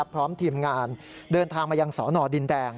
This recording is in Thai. พร้อมทีมงานเดินทางมายังสอนอดินแดง